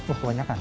oh banyak kan